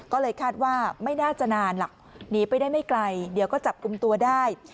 ก็เลยคาดว่าไม่น่าจะนานหรอกหนีไปได้ไม่ไกลเดี๋ยวก็จับกลุ่มตัวได้